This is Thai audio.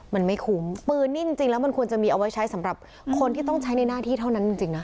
มันไม่คุ้มปืนนี่จริงแล้วมันควรจะมีเอาไว้ใช้สำหรับคนที่ต้องใช้ในหน้าที่เท่านั้นจริงนะ